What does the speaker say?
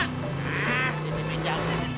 nah di sini meja